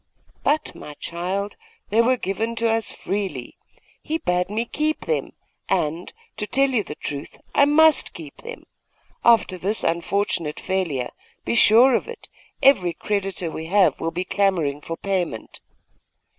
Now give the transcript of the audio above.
'But, my child, they were given to us freely. He bade me keep them; and and, to tell you the truth, I must keep them. After this unfortunate failure, be sure of it, every creditor we have will be clamouring for payment.